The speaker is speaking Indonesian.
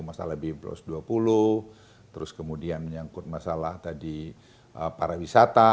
masalah b satu ratus dua puluh terus kemudian menyangkut masalah tadi para wisata